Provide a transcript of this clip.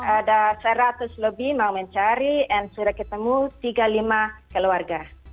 ada seratus lebih mau mencari dan sudah ketemu tiga puluh lima keluarga